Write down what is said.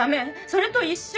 それと一緒！